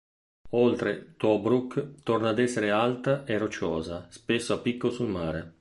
Oltre Tobruk torna ad essere alta e rocciosa, spesso a picco sul mare.